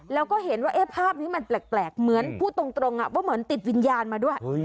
แล้วก็เห็นว่าภาพนี้มันแปลกเหมือนพูดตรงว่าเหมือนติดวิญญาณมาด้วย